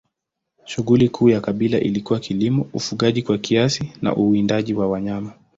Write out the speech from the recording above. Shughuli kuu ya kabila hili ilikuwa kilimo, ufugaji kwa kiasi na uwindaji wa wanyama.